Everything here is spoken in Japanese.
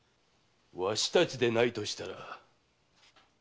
わしたちでないとしたら誰が？